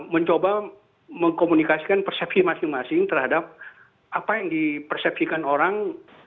mencoba mengkomunikasikan persepsi masing masing terhadap apa yang dipersepsikan orang